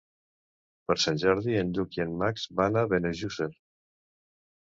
Per Sant Jordi en Lluc i en Max van a Benejússer.